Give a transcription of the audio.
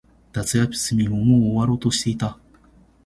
夏休みももう終わろうとしていた。